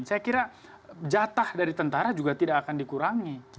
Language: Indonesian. saya kira jatah dari tentara juga tidak akan dikurangi